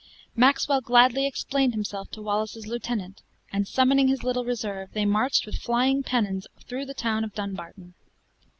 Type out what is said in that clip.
Maxwell gladly explained himself to Wallace's lieutenant; and summoning his little reserve, they marched with flying pennons through the town of Dumbarton.